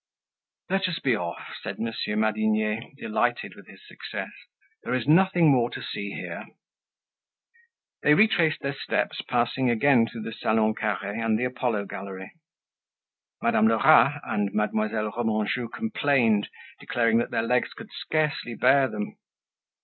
"Let us be off," said Monsieur Madinier, delighted with his success. "There is nothing more to see here." They retraced their steps, passing again through the Salon Carre and the Apollo Gallery. Madame Lerat and Mademoiselle Remanjou complained, declaring that their legs could scarcely bear them.